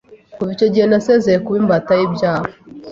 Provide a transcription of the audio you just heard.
kuva icyo gihe nasezeye kuba imbata y’ibyaha,